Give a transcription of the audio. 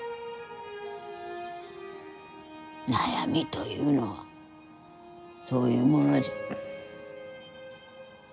悩みというのはそういうものじゃ。